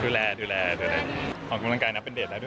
ดูแลดูแลดูแลของกำลังกายนับเป็นเดทได้ด้วย